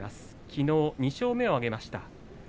きのう２勝目を挙げました。